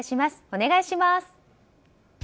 お願いします。